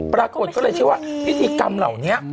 ปรากฏก็เลยเชื่อว่าพิธีกรรมเหล่านี้